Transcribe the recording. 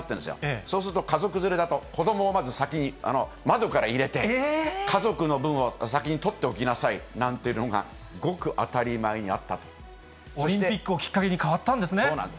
そうすると家族連れだと、子どもをまず先に窓から入れて、家族の分を先に取っておきなさいなんてのがごく当たり前にあったオリンピックをきっかけに変そうなんです。